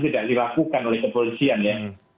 tidak dilakukan oleh kepolisian ya